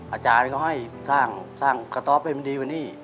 อาจารย์ก็ให้สร้างกระท่อมเป็นวันนี้